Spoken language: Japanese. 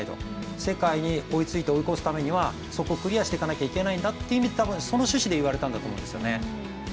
世界に追いついて追い越すためにはそこをクリアしていかなくてはいけないんだと多分、その趣旨で言われたと思うんですね。